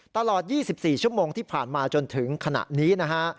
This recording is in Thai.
ตลอด๒๔ชั่วโมงที่ผ่านมาจนถึงขณะนี้นะฮะ